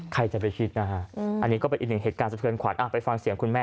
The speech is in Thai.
หนูอาจจะเก็บเมื่อนานเท่าว่าเถียมกันบ้อย